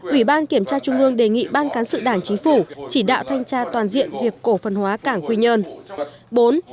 ủy ban kiểm tra trung ương đề nghị ban cán sự đảng chính phủ chỉ đạo thanh tra toàn diện việc cổ phần hóa cảng quy nhơn